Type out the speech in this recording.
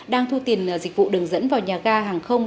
đang thu tiền dịch vụ đường dẫn vào nhà ga hàng không